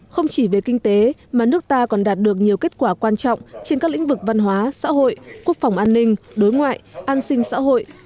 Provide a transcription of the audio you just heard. không chỉ về kinh tế mà nước ta còn đạt được nhiều kết quả quan trọng trên các lĩnh vực văn hóa xã hội quốc phòng an ninh đối ngoại an sinh xã hội